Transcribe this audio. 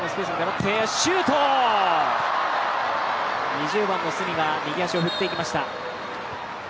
２０番の角が右足を振っていきました。